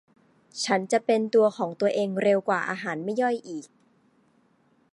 ฉันจะเป็นตัวของตัวเองเร็วกว่า อาหารไม่ย่อยอีก